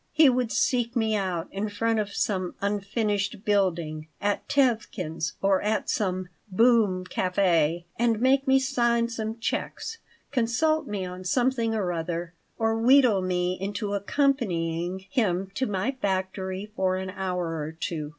He would seek me out in front of some unfinished building, at Tevkin's, or at some "boom" café, and make me sign some checks, consult me on something or other, or wheedle me into accompanying him to my factory for an hour or two.